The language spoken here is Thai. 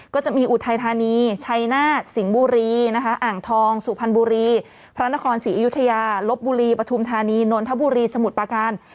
ก็จะมีอุทัยธานีชัยนาฏสิงห์บุรีนะคะอ่างทองสุพรรณบุรีพระนครศรีอยุธยาลบบุรีปฐุมธานีนนทบุรีสมุทรประการ